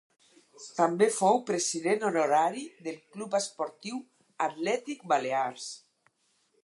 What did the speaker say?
També fou president honorari del Club Esportiu Atlètic Balears.